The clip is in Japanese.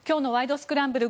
スクランブル」